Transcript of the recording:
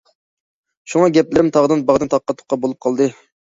شۇڭا گەپلىرىم تاغدىن- باغدىن، تاققا- تۇققا بولۇپ قالدى.